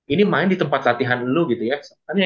ini main di tempat latihan lo gitu ya